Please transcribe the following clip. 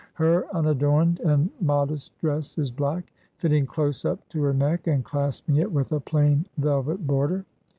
Her unadorned and modest dress is black; fitting close up to her neck, and clasping it with a plain, velvet border.